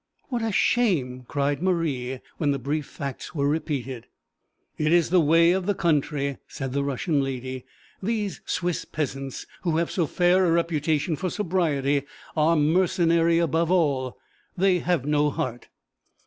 'What a shame!' cried Marie, when the brief facts were repeated. 'It is the way of the country,' said the Russian lady. 'These Swiss peasants, who have so fair a reputation for sobriety, are mercenary above all: they have no heart.'